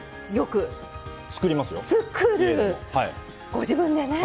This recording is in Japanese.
ご自分でねえ。